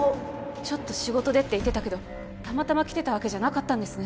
ちょっと仕事でって言ってたけどたまたま来てたわけじゃなかったんですね